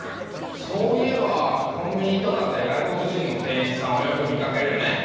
そういえばコンビニとかで外国人の店員さんをよく見かけるよね。